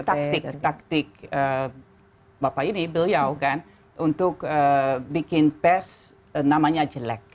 taktik taktik bapak ini beliau kan untuk bikin pers namanya jelek